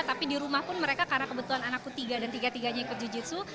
tapi di rumah pun mereka karena kebetulan anakku tiga dan tiga tiganya ikut jiu jitsu